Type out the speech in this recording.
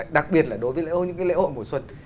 đặc biệt là đối với những cái lễ hội mùa xuân